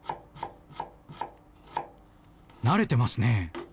慣れてますね。